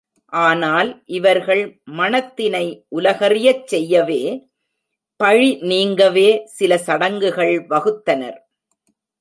ஆனால் இவர்கள் மணத்தினை உலகறியச் செய்யவே, பழி நீங்கவே, சில சடங்குகள் வகுத்தனர்.